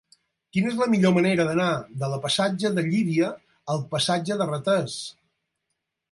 Quina és la millor manera d'anar de la passatge de Llívia al passatge de Ratés?